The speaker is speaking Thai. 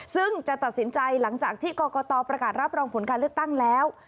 ซึ่งจะตัดสินใจหลังจากที่กรกตประกาศรับรองผลการเลือกตั้งแล้ว